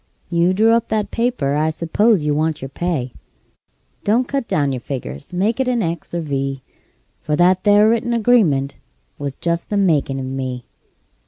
You drew up that paper I s'pose you want your pay. Don't cut down your figures; make it an X or a V; For that 'ere written agreement was just the makin' of me.